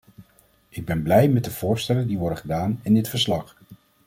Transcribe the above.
Ik ben blij met de voorstellen die worden gedaan in dit verslag.